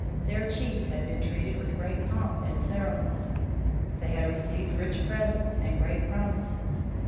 Their chiefs had been treated with great pomp and ceremony. They had received rich presents and great promises.